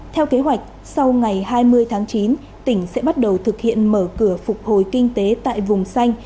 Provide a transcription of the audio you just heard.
theo kế hoạch sau ngày hai mươi tháng chín tỉnh sẽ bắt đầu thực hiện mở cửa phục hồi kinh tế tại vùng xanh